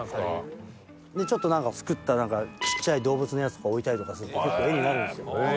ちょっとなんか作ったちっちゃい動物のやつとか置いたりとかすると結構絵になるんですよ。